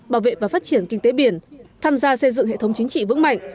bảo vệ và phát triển kinh tế biển tham gia xây dựng hệ thống chính trị vững mạnh